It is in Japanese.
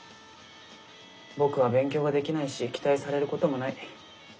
僕は勉強ができないし期待されることもない。